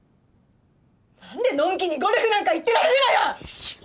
なんでのんきにゴルフなんか行ってられるのよ！